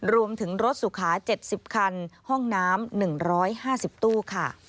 รวมถึงรถสุขา๗๐คันห้องน้ำ๑๕๐ตู้ค่ะ